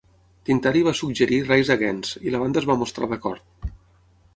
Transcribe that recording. Tintari va suggerir Rise Against, i la banda es va mostrar d"acord.